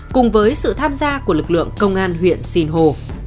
cùng với sự tham gia của lực lượng công an huyện sinh hồ